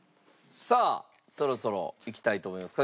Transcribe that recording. さあそろそろいきたいと思います。